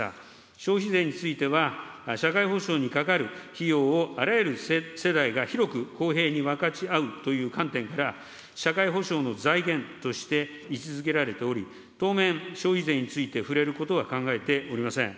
消費税については、社会保障にかかる費用をあらゆる世代が広く公平に分かち合うという観点から、社会保障の財源として位置づけられており、当面、消費税について触れることは考えておりません。